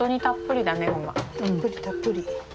たっぷりたっぷり。